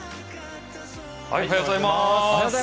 おはようございます。